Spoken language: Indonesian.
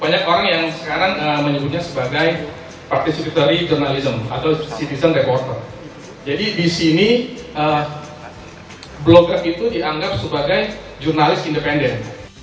banyak orang yang sekarang menyebutnya sebagai partic secretary journalism atau citizen reporter jadi di sini blogger itu dianggap sebagai jurnalis independen